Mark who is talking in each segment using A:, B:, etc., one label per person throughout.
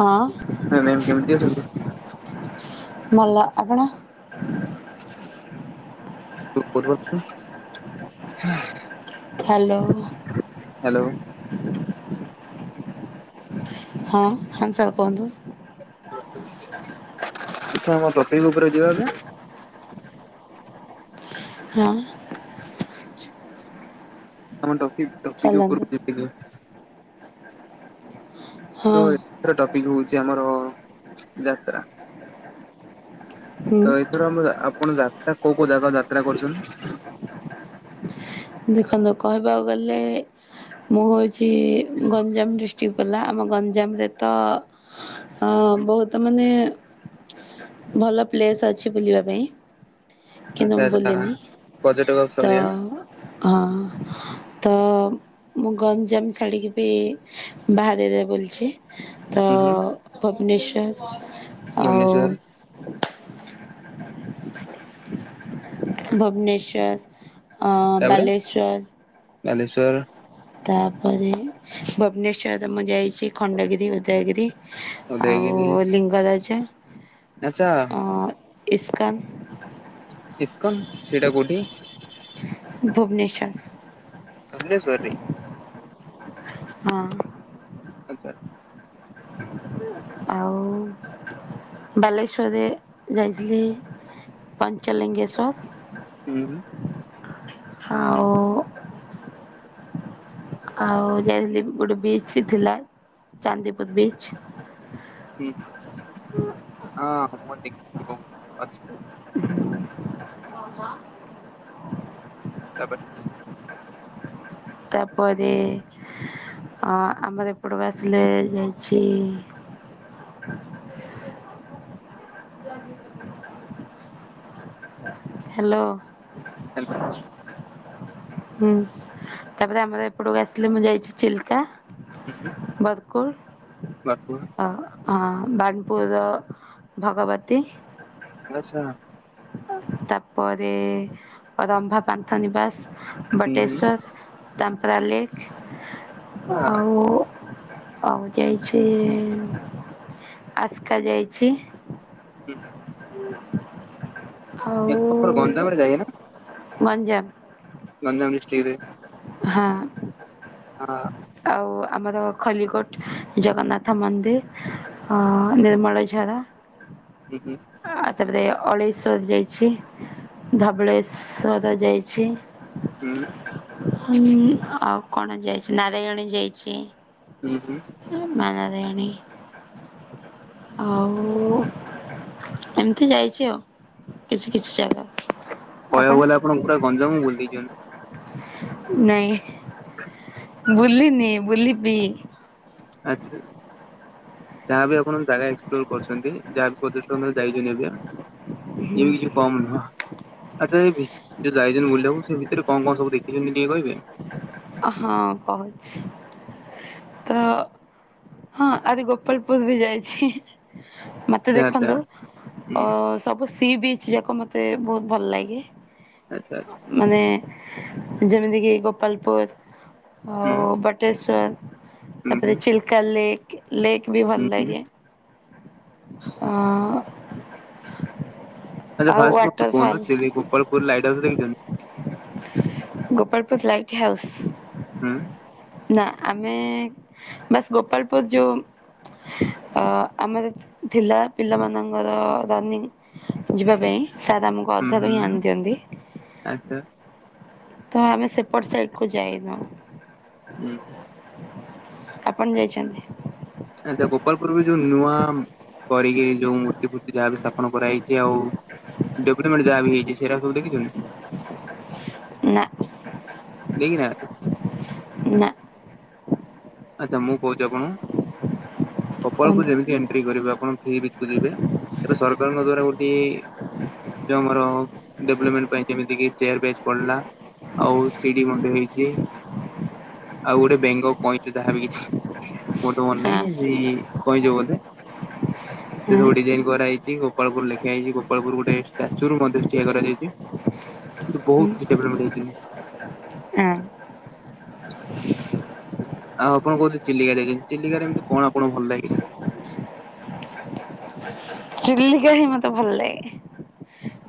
A: ହଁ
B: hi, ma'am କେମିତି ଅଛନ୍ତି?
A: ଭଲ ଆପଣ?
B: ଉପର ତ ହା ଏ।
A: ହ୍ୟାଲୋ। ହଁ, ହା ସାର୍ କୁହନ୍ତୁ?
B: ସାର୍ ତତେଇ ଉପରେ ଯିବା କେ?
A: ହଁ।
B: ଆମ ଟପିକ ଟପିକ
A: ଚାଲନ୍ତୁ
B: ଉପରକୁ ଯିବିନି।
A: ହଁ
B: ତ ଏଥର ଟପିକ ହଉଛି ଆମର ଯାତ୍ରା।
A: ହୁଁ
B: ତ ଏଥର ଆମ ଆପଣ ଯା କୋଉ କୋଉ ଜାଗା ଯାତ୍ରା କରୁଛନ୍ତି?
A: ଦେଖନ୍ତୁ କହିବାକୁ ଗଲେ ମୁଁ ହେଉଛି ଗଞ୍ଜାମ ଡିଷ୍ଟ୍ରିକ ଗଲା ଆମ ଗଞ୍ଜାମରେ ତ ହଁ, ବହୁତ ମାନେ ଭଲ ପ୍ଲେସ୍ ଅଛି ବୁଲିବା ପାଇଁ। କିନ୍ତୁ
B: ଆଚ୍ଛା
A: ମୁ
B: ଆଚ୍ଛା
A: ବୋଲେନି
B: ପର୍ଯ୍ୟଟକ
A: ତ
B: ସ୍ଥଳୀୟ
A: ହଁ। ତ ମୁଁ ଛାଡିକି ବି ବାହାର ଏରିଆ ରେ ବୋଲିଛି। ତ
B: ହୁଁ ହୁଁ
A: ଭୁବନେଶ୍ୱର ଆଉ
B: ଭୁବନେଶ୍ଵର
A: ଭୁବନେଶ୍ୱର ଅ
B: ତାପରେ
A: ବାଲେଶ୍ୱର।
B: ବାଲେଶ୍ଵର।
A: ତାପରେ ଭୁବନେଶ୍ଵରରେ ମୁଁ ଯାଇଛି ଖଣ୍ଡଗିରି ଉଦୟଗିରି।
B: ଉଦୟଗିରି
A: ଆଉ ଲିଙ୍ଗରାଜ
B: ଆଚ୍ଛା
A: ଅ ଇସ କନ୍।
B: ଇସ କନ୍ ସେଇଟା କଉଟି?
A: ଭୁବନେଶ୍ୱର।
B: ଭୁବନେଶ୍ୱର ରେ।
A: ହଁ।
B: ଆଚ୍ଛା।
A: ଆଉ ବାଲେଶ୍ୱର ରେ ଯାଇଥିଲି ପାଞ୍ଚ
B: ହୁଁ ହୁଁ
A: ଞ୍ଚଲିଙ୍ଗେଶ୍ଵର ଆଉ ଆଉ ଯାଇଥିଲି ଗୋଟେ ବିଚ୍ ବି ଥିଲା, ଚାନ୍ଦିପୁର ବିଚ୍।
B: ହୁଁ, ହଁ ମୁଁ ଦେଖ ବହୁତ ଅଛି। ତାପରେ
A: ତାପରେ ଆ ଆମର ଏପଟକୁ ଆସିଲେ, ଯାଇଛି ହ୍ୟାଲୋ।
B: ହ୍ୟାଲୋ।
A: ହୁଁ ତାପରେ ଆମର ଏପଟକୁ ଆସିଲି ମୁଁ ଯାଇଛି ଚିଲକା। ବର୍କୁଲ।
B: ବା ପୁର୍।
A: ହଁ, ବାନପୁର ଭଗବତୀ।
B: ଆଛା।
A: ତାପରେ ରମ୍ଭା ପାନ୍ତା ନିବାସ,
B: ହୁଁ
A: ବଟେଶ୍ୱର୍। ତାମ୍ପରା
B: ହୁଁ
A: ଲେଖ ଆଉ ଆଉ ଯାଇଛି, ଆସ୍କା ଯାଇଛି।
B: ହୁଁ।
A: [inaudible]
B: ଗଞ୍ଜାମରେ ଯାଇ ନା?
A: ଗଞ୍ଜାମ।
B: ଗଞ୍ଜାମ ଡିଷ୍ଟ୍ରିକଟରେ।
A: ହଁ।
B: ହଁ।
A: ଆଉ ଆମର ଖଲିଗୋଟ ଜଗନ୍ନାଥ ମନ୍ଦିର, ନିର୍ମଳଝା। ଝାରା।
B: ହୁଁ ହୁଁ।
A: ଆ ତାପରେ ଅଳେଇ ସଜ ଯାଇଛି, ଧବଳେଶ୍ୱଜ ଯାଇଛି।
B: ହୁଁ।
A: ହୁଁ ଆଉ କଣ ଯାଇଛି ନାରାୟଣୀ ଯାଇଛି।
B: ହୁଁ ହୁଁ।
A: ମା ନାରାୟଣୀ। ଆଉ, ଏମିତି ଯାଇଛି ଆଉ କିଛି କିଛି ଜାଗା
B: କହିବାକୁ
A: ଆପଣ?
B: ଗଲେ ପୁରା ଗଞ୍ଜାମ ବୁଲି ଦେଇଛନ୍ତି
A: ନାଇଁ ବୁଲିିନି ବୁଲିବି।
B: ଆଚ୍ଛା। ଯାହାବି ଆପଣ ଜାଗା ଏକ୍ସପ୍ଲୋର କରୁଛନ୍ତି, ଯାହାବ ପ୍ରତିଷୋତ ଦାୟିତ୍ୱ ନେବେ। ୟୁ ୟୁ କମ୍ ନୁହଁ। ଆଚ୍ଛା ଏ ଭିତ ଯାଇଛନ୍ତି ବୁଲିବାକୁ ସେ ଭିତରେ କଣ କଣ ସବୁ ଦେଖିଛନ୍ତି ଟିକେ କହିବେ?
A: ହଁ କହୁଛି। ତ ହଁ ଆଜିି ଗୋପଳପୁୁର ବି ଯାଇଛି। ମତେ
B: ଆଚ୍ଛା ଆଚ୍ଛା
A: ଦେଖନ୍ତୁ ଅ
B: ହୁଁ
A: ସବୁ ସିବିଚ ସେ ଯାକ ମୋତେ ବହୁତ ଭଲ ଲାଗେ,
B: ଆଚ୍ଛା ଆଚ୍ଛା
A: ମାନେ ଯେମିତିକି ଗୋପାଳପୁର
B: ହୁଁ
A: ଆଉ ବଟେଶ୍ୱର।
B: ହୁଁ
A: ତାପରେ
B: ହୁଁ
A: ଚିଲକା ଲେକ୍, ଲେକ୍ ବି
B: ହୁଁ
A: ଭଲ
B: ହୁଁ
A: ଲାଗେ। ଅ
B: ଆଚ୍ଛା
A: ଆଉ
B: ଫାଷ୍ଟେ
A: ୱାଟରଫଲ୍
B: କୁହନ୍ତୁ ଗୋପାଳପୁର ଲାଇଟ୍ ହାଉସ ଦେଖିଛନ୍ତି?
A: Gopalpur light house.
B: ହୁଁ।
A: ନା ଆମେ ବସ ଗୋପାଳପୁର ଯୋଉ ଅ ଆମର ଥିଲା ପିଲାମାନଙ୍କର ରନିଂ ଯିବା ପାଇଁ ସାର୍ ଆମକୁ
B: ହୁଁ
A: ଅଧା ହିଁ
B: ହୁଁ
A: ଆଣି ଦିଅନ୍ତି।
B: ଆଚ୍ଛା
A: ତ ଆମେ ସେପଟ ସାଇଡ କୁ ଯାଇନୁ।
B: ହୁଁ।
A: ଆପଣ ଯାଇଛନ୍ତି?
B: ଆଚ୍ଛା ଗୋପାଳପୁରରେ ଯୋଉ ନୂଆ କରିକି ଯୋଉ ମୂର୍ତ୍ତି ଫୂର୍ତ୍ତି ଯାହାବି ସ୍ଥାପନ କରାହେଇଛି ଆଉ ଡେଭଲପମେଣ୍ଟ ଯାହା ବି ହେଇଛି ସେଇଟା ସବୁ ଦେଖିଛନ୍ତି
A: ନା।
B: କେହି ନାହାନ୍ତି।
A: ନା
B: ଆଚ୍ଛା ମୁଁ କହୁଛି ଆପଣ ସକାଳକୁ
A: କୁହନ୍ତୁ
B: ଯେମିତି ଏଣ୍ଟ୍ରି କରିବେ ଆପଣ ଫି ଭିତ ଯିବେ ଏବେ ସରକାରଙ୍କ ଦ୍ଵାରା ଗୋଟିଏ ଯୋଉ ଡେଭଲପମେଣ୍ଟ ପାଇଁ ଯେମିତି କିି ଚେୟାର ବେଜ୍ ପଡିଲା। ଆଉ ସିଡି ମଧ୍ୟ ହେଇଛି, ଆଉ ଗୋଟେ ବେଙ୍ଗ ଯାହାବି କିଛି ମୋର ତ ମନେ
A: ହଁ
B: ନାହିଁ ସେଇ କଇଁଛ ବୋଧେ। ସେ
A: ହଁ
B: ସବୁ ଡିଜାଇନ କରା ହେଇଛି। ଗୋପାଳପୁର ଲେଖା ଯାଇଛି, ଗୋାଳପୁର ଗୋଟେ ଷ୍ଟାଚ୍ୟୁ ମଧ୍ୟ ଠିଆ କରାଯାଇଛି। କିନ୍ତୁ
A: ହୁଁ
B: ବହୁତ କିଛିଲମେଣ୍ଟ ହେଇଛନ୍ତି।
A: ହଁ।
B: ଆଉ ଆପଣ କହୁଥିଲେ ଚିଲିକା ଯାଇଛନ୍ତି, ଚିଲିକାରେ ଏମିତି କଣ ଆପଣଙ୍କୁ ଭଲ ଲାଗିଲା?
A: [inaudible] ଚିଲିକା ହିଁ ମତେ ଭଲ ଲାଗେ।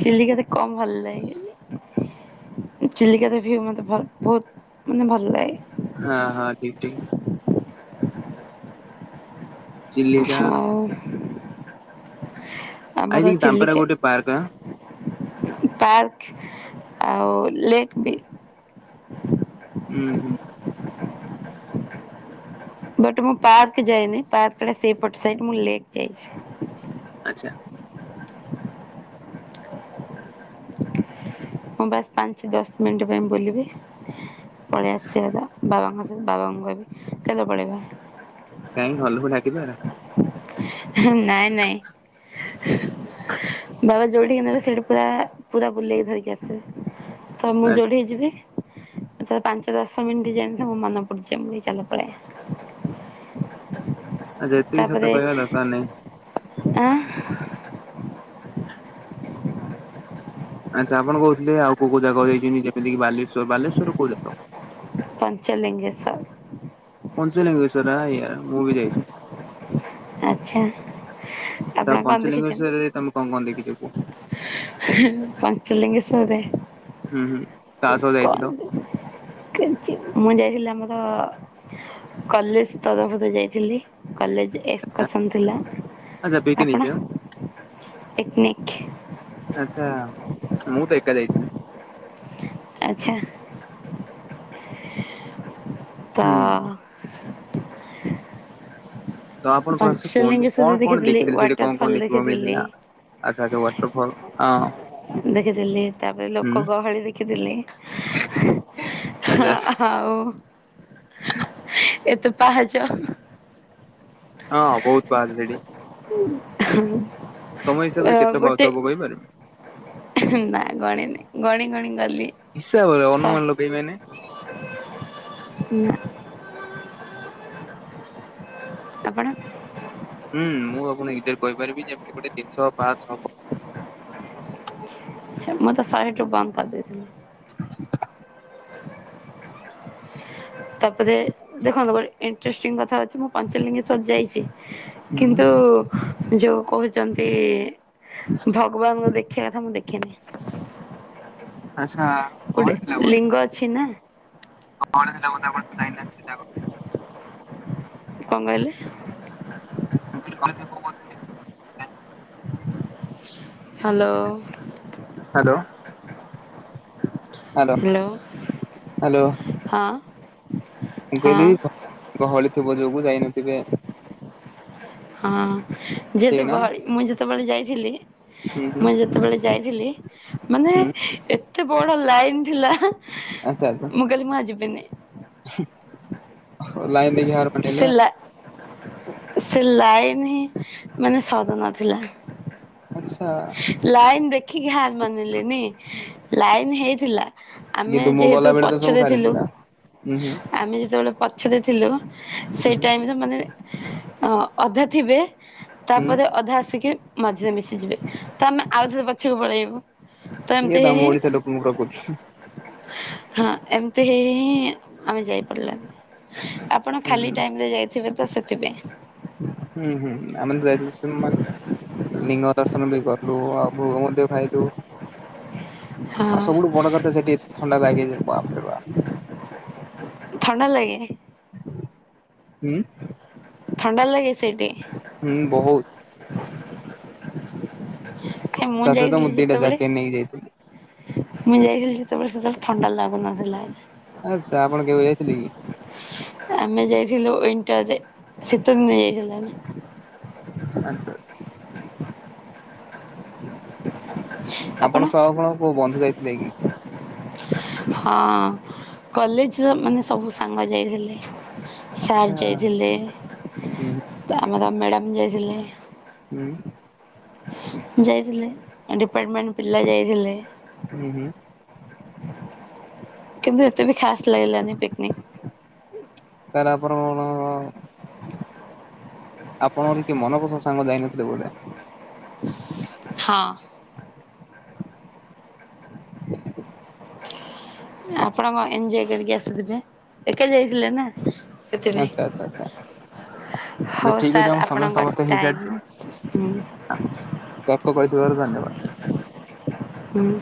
A: ଚିଲିକାରେ କଣ ଭଲ ଲାଗେନି? ଚିଲିକା ଯିବାକୁ ମତେ ବହୁ - ବହୁତମାନେ ଭଲ ଲାଗେ।
B: ହଁ- ହଁ - ଠିକ୍ - ଠିକ୍। ଚିଲିକା
A: ଆଉ
B: ଆଇ
A: ଆମର
B: ଥିଙ୍କ ତାମ୍ପାରା
A: ଚିଲିକା।
B: ଗୋଟେ ପାର୍କ ଆଁ
A: ପାର୍କ ଆଉ ଲେକ୍ ବି
B: ହୁଁ- ହୁଁ।
A: ବଟ୍ ମୁଁ ପାର୍କ ଯାଏନି। ପାର୍କଟା ସେଇପଟ ସାଇଟ ମୁଁ ଲେକ୍ ଯାଇଛି।
B: ଆଚ୍ଛା।
A: ମୁଁ ବାସ୍ ପାଞ୍ଚ ଦଶ ମିନିଟ୍ ପାଇଁ ବୁଲିବି ପଳେଇ ଆସିବି ବାବାଙ୍କ ସ ବାବାଙ୍କୁ କହି ବିି ଚାଲ ପଳେଇବା।
B: କାହିଁକି ଘଲକୁ ଡାକିଥାଆନ୍ତ।
A: ହେ ନାଇଁ - ନାଇଁ। ବାବା ଯୋଉଠିକି ନେବେ ସେଇଠା ପୁରା, ପୁରା ବୁଲେଇକି ଧରିକି ଆସିବେ। ତ ମୁଁ ଯୋଉଠିକି ଯିବି ତ ପାଞ୍ଚ ଦଶ ମିନିଟ ଯାଇନଥିବ ମୋର ମନେ ପଡିୁଛି ମୁ ଚାଲ ପଲେଇବା। [inaudible]
B: ଆ ଯେ ଏତିକି ସତ କହିବା ଦରକାର ନାହିଁ।
A: ଆ।
B: ଆଚ୍ଛା ଆପଣ କହୁଥିଲେ ଆଉ କୋଉ କୋଉ ଜାଗା ଯାଇଛନ୍ତି। ଯେମିତିକି ବାଲେଶ୍ୱର, ବାଲେଶ୍ଵରର କୋଉ ଜାଗାକୁ?
A: ପଞ୍ଚଲିଙ୍ଗେସର୍।
B: ପଞ୍ଚଲିଙ୍ଗେଶ୍ଵର ଆଇ ଆ ମୁଁ ବି ଯାଇଛି।
A: ଆଚ୍ଛା।
B: ତ
A: ଆପଣ କଣ ଦେଖିଛନ୍ତି
B: ପଞ୍ଚଲିଙ୍ଗେଶ୍ଵରରେ ତମେ କଣ କଣ ଦେଖିଛି କୁହ?
A: ପଞ୍ଚଲିିଙ୍ଗେଶ୍ୱରରେ।
B: ହୁଁ ହୁଁ କାହା ସହ
A: କ
B: ଯାଇଥିଲ?
A: କି ମୁଁ ଯାଇଥିଲି। ମୋର କଲେଜ ତରଫରୁ ଯାଇଥିଲି କଲେଜ
B: ଆଚ୍ଛା
A: ଏକ୍ସକର୍ସନ୍ ଥିଲା,
B: ଆଚ୍ଛା
A: ଆପଣ
B: ପିକନିକ୍
A: ପିକନିକ୍?
B: ଆଚ୍ଛା ମୁଁ ତ ଏକା ଯାଇଥିଲି।
A: ଆଚ୍ଛା। ତ।
B: ହୁଁ ତ ଆପଣ କଣ ସେ କୁହନ୍ତୁ
A: ପଞ୍ଚଲିଙ୍ଗେଶ୍ୱର
B: କଣ କଣ
A: ଦେଖିଥିଲି
B: ଦେଖିଥିଲେ? ସେଠି କଣ କଣ
A: ୱାଟରଫଲ୍
B: ଦେଖିବାକୁ
A: ଦେଖିଥିଲି
B: ମିଳିଥିଲା? ଆଛା -ଆଛା ୱାଟରଫଲ ହଁ
A: ଦେଖିଥିଲି ତାପରେ
B: ହୁଁ
A: ଲୋକଗହଳି ଦେଖିଥିଲି। ହ
B: ଆଚ୍ଛା
A: ହଉ
B: [inaudible]
A: ଏତେ ପାହାଚ
B: ହଁ ବହୁତ ପାହାଚ ସେଠି।
A: ହଁ।
B: ତମ ହିସାବରେ କେତେ ପାହାଚ ହବ କହିପାରିବ?
A: ନା ଗଣ ନାଇଁ, ଗଣି - ଗଣି।
B: ହିସାବରେ ଅନୁମାନ ଲଗେଇବେନି।
A: [unintelligible] ଆପଣ?
B: ହୁଁ ମୁଁ ଆପଣ ନିଜରେ କହିପାରିବି ଯେ, ଏମିତି ଗୋଟେ ତିନିଶହ ପାଶହ ହବ।
A: ମୁଁ ତ ଶହେ ଟୁ ବନ୍ଦ କରିଦେଇଥିଲି।
B: [inaudible]
A: ତାପରେ ଦେଖନ୍ତୁ ଗୋଟେ ଇଣ୍ଟେଷ୍ଟ୍ରିଂ କଥାଅଛି ମୁଁ ପଞ୍ଚଲିଙ୍ଗଶ୍ଵର ଯାଇଛି
B: ହୁଁ
A: କିନ୍ତୁ ଯୋଉ କହୁଛନ୍ତି ଭଗବାନଙ୍କ ଦେଖିବା କଥା ମୁଁ ଦେଖିନି।
B: ଆଚ୍ଛା କଣ
A: ଗୋଟେ
B: ଥିଲା ବୋଧେ
A: ଲିଙ୍ଗ ଅଛି ନା।
B: [unintelligible]
A: କଣ କହିଲେ?
B: [inaudible]
A: ହ୍ୟାଲୋ!
B: ହ୍ୟାଲୋ! Hello hello!
A: ହଁ।
B: ମୁଁ
A: ହଁ
B: କହିଲିି ଗହଳି ଥିବ ଯୋଗୁ ଯାଇନଥିବେ?
A: ହଁ
B: ଠିକ
A: ଯେହେତୁ
B: ନା
A: ଗହଳି ମୁଁ ଯେତେବେଳେ ଯାଇଥିଲି
B: ହୁଁ ହୁଁ
A: ମୁ ଯେତେବେଳେ ଯାଇଥିଲି ମାନେ
B: ହୁଁ
A: ଏତେ ବଡ ଲାଇନ ଥିଲା।
B: ଆଚ୍ଛା ଆଚ୍ଛା
A: ମୁ କହିଲି ମୁଁ ଆଉ ଯିବିନି।
B: ଲାଇନ ଦେକି ହାର ମାନି
A: ସେ ଲା ସେ ଲାଇନ ହିଁ ମାନେ ସାଧନା ଥିଲା।
B: ଆଚ୍ଛା
A: ଲାଇନ ଦେଖିକି ହାର ମାନିଲିନି ଲାଇନ ହେଇଥିଲା। ଆମେ
B: କିନ୍ତୁ ମୁଁ ଗଲା
A: ଯେହେତୁ
B: ବେଳେ ତ ସବୁ
A: ପଛରେ
B: ଖାଲି
A: ଥିଲୁ
B: ଥିଲା ହୁଁ ହୁଁ
A: ଆମେ ଯେତେବେଳେ ପଛରେ ଥିଲେ
B: ହୁଁ
A: ସେଇ
B: ହୁଁ
A: ଟାଇମରେ ମାନେ ଅଧା ଥିବେ ତାପରେ
B: ହୁଁ
A: ଅଧା ଆସିକି ମଝିରେ ମିଶିଯିବେ ତ ଆମେ ଆଉଥରେ ପଛକୁ ପଳେଇବୁ। ତ
B: ଇଏ
A: ଏମିତି
B: ଆମ
A: ହେଇ
B: ଓଡିଶା ଲୋକଙ୍କ ପ୍ରକୃତି
A: ହଁ ଏମତି। ଏମିତି ହେଇ ହେଇ ହିଁ ଆମେ ଯାଇପାରିଲେନି ଆପଣ
B: ହୁଁ
A: ଖାଲି ଟାଇମ୍ରେ ଯାଇଥିବେ ତ ସେଥିପାଇଁ।
B: ହୁଁ ହୁଁ ଆମେ ଯାଇଥିଲୁ ଲିଙ୍ଗ ଦର୍ଶନ କଲୁ ଆଉ ଭୋଗ ମଧ୍ୟ ଖାଇଲୁ।
A: ହଁ
B: ଆଉ ସବୁଠୁ ବଡ଼ କଥା ସେଠି ଏତେ ଥଣ୍ଡା ଲାଗେ ଯେ ବାପ୍ ରେ ବାପ୍।
A: ଥଣ୍ଡା ଲାଗେ।
B: ହୁଁ।
A: ଥଣ୍ଡା ଲାଗେ। ସେଇଠି
B: ହୁଁ ବହୁତ।
A: କାଇଁ ମୁଁ
B: ସାଥିରେ ତ
A: ଯାଇଥିଲି
B: ଦିଟା
A: ଯେତେବେଳେ
B: ଜ୍ୟାକେଟ ନେଇକି ଯାଇଥିଲି।
A: ମୁଁ ଯାଇଥିଲି ଯେତେବେଳେ ସେତେବେଳେ ଥଣ୍ଡା ଲାଗୁନଥିଲା।
B: ଆଚ୍ଛା ଆପଣ କେବେ ଯାଇଥିଲେ କି?
A: ଆମେ ଯାଇଥିଲୁ ୱଣ୍ଟରରେ ଶୀତ ଦିନେ ଯାଇଥିଲୁ ଆମେ।
B: ଆଚ୍ଛା।
A: [inaudible]
B: ଆପଣ ସହ କଣ କୋଉ ବନ୍ଧୁ ଯାଇଥିଲେ କି?
A: ହଁ କଲେଜ ର ମାନେ ସବୁ ସାଙ୍ଗ ଯାଇଥିଲେ।
B: ଆଚ୍ଛା
A: ସାର୍ ଯାଇଥିଲେ
B: ହୁଁ
A: ଆମର ମ୍ୟାଡ଼ାମ ଯାଇଥିଲେ।
B: ହୁଁ।
A: ଯାଇଥିଲେ ଡିପାର୍ଟମେଣ୍ଟ ପିଲା ଯାଇଥିଲେ।
B: ହୁଁ ହୁଁ
A: କିନ୍ତୁ ଏତେ ବି ଖାସ ଲାଗିଲାନି ପିକନିକ୍।
B: ତାହେଲେ ଆପଣ ଆପଣଙ୍କର ଟିକେ ମନପସନ୍ଦ ସାଙ୍ଗ ଯାଇନଥିଲେ ବୋଧେ?
A: ହଁ
B: [inaudible]
A: ଆପଣ କଣ ଏଞଜୟ କରିକି ଆସିଥିବେ ଏକା ଯାଇଥିଲେ ନା। ସେଥିପାଇଁ
B: ଆଚ୍ଛା ଆଚ୍ଛା ଆଚ୍ଛା।
A: ହଉ
B: ଠିକ ଅଛି
A: ସାର୍
B: ଆମ ସମୟ
A: ଆପଣଙ୍କ
B: ସମାପ୍ତ
A: ଟାଇମ୍
B: ହେଇସାରିଛି।
A: ହୁଁ
B: ତପ କହିଥିବାରୁ ଧନ୍ୟବାଦ।
A: ହୁଁ।